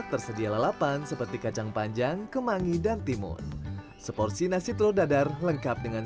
tersedia lalapan seperti kacang panjang kemangi dan timun seporsi nasi telur dadar lengkap dengan